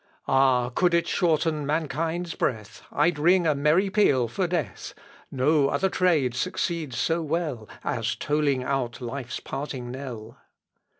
Ah! could it shorten mankind's breath! I'd ring a merry peal for death! No other trade succeeds so well As tolling out life's parting knell.